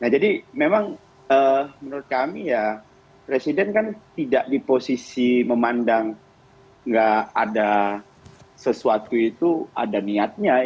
nah jadi memang menurut kami ya presiden kan tidak di posisi memandang nggak ada sesuatu itu ada niatnya